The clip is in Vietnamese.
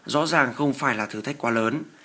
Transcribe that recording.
rõ ràng không phải là thử thách quá lớn